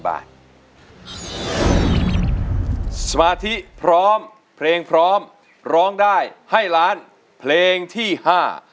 สมาธิพร้อมเพลงพร้อมร้องได้ให้ล้านเพลงที่ห้า